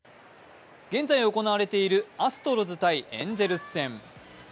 現在、行われているアストロズ×エンゼルス戦。